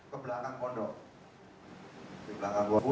ke belakang kondok